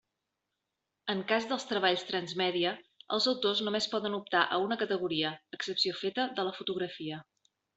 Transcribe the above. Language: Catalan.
En cas dels treballs transmèdia, els autors només poden optar a una categoria, excepció feta de la fotografia.